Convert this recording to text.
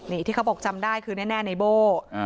นี่ที่เขาบอกจำได้คือแน่ในโบ้